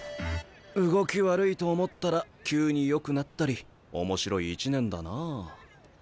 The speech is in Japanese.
動き悪いと思ったら急によくなったり面白い１年だなあ。